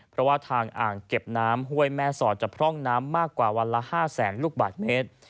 เพราะว่าทางอ่างเก็บน้ำห้วยแม่สอดจะพร่องน้ำมากกว่าวันละ๕แสนลูกบาทเมตร